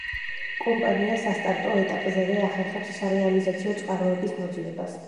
კომპანია სასტარტო ეტაპზევე ახერხებს, სარეალიზაციო წყაროების მოძიებას.